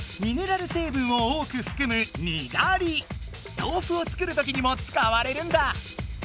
とうふを作るときにもつかわれるんだ。